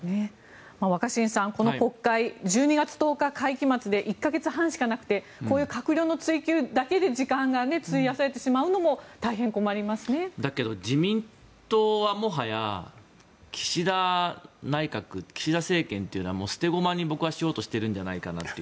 若新さん、この国会１２月１０日、会期末で１か月半しかなくてこういう閣僚の追及だけで時間が費やされてしまうのもだけど自民党はもはや岸田内閣、岸田政権というのは捨て駒に僕はしてようとしているんじゃないかなと。